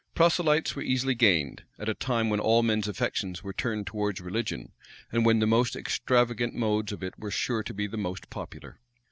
Proselytes were easily gained, at a time when all men's affections were turned towards religion, and when the most extravagant modes of it were sure to be most popular.